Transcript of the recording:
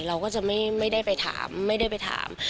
เราก็จะไม่ได้ไปถามไม่ได้ไปถาม